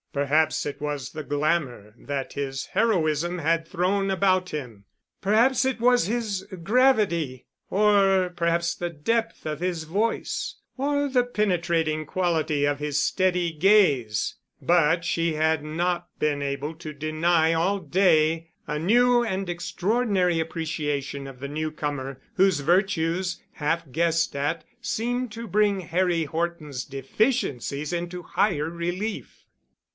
Perhaps it was the glamor that his heroism had thrown about him, perhaps it was his gravity, or perhaps the depth of his voice or the penetrating quality of his steady gaze, but she had not been able to deny all day a new and extraordinary appreciation of the newcomer, whose virtues, half guessed at, seemed to bring Harry Horton's deficiencies into higher relief.